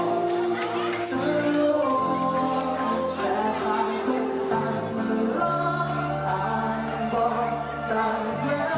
รู้หรือไม่ทำไม